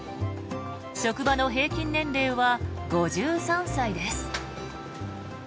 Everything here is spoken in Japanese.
職場の平均年齢は５３歳です。